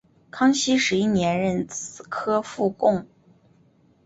康熙十一年壬子科副贡。